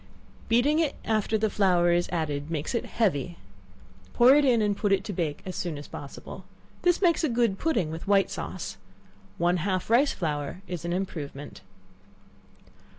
Beating it after the flour is added makes it heavy; pour it in, and put it to bake as soon as possible. This makes a good pudding, with white sauce. One half rice flour is an improvement.